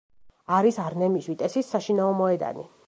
არის არნემის ვიტესის საშინაო მოედანი.